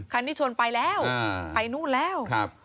ที่ชนไปแล้วไปนู่นแล้ว